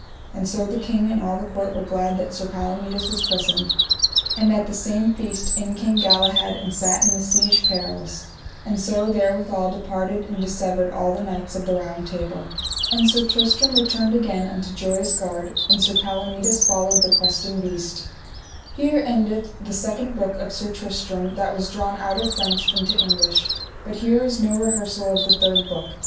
And so the king and all the court were glad that Sir Palomides was christened. And at the same feast in came Galahad and sat in the Siege Perilous. And so therewithal departed and dissevered all the knights of the Round Table. And Sir Tristram returned again unto Joyous Gard, and Sir Palomides followed the Questing Beast. _Here endeth the second book of Sir Tristram that was drawn out of French into English. But here is no rehersal of the third book.